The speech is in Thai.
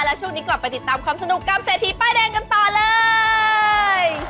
และช่วงนี้กลับไปติดตามความสนุกกับเศรษฐีป้ายแดงกันต่อเลย